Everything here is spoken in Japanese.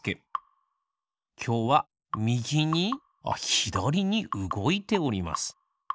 きょうはみぎにひだりにうごいております。